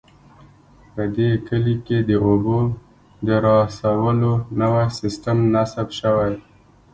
په دې کلي کې د اوبو د رارسولو نوی سیسټم نصب شوی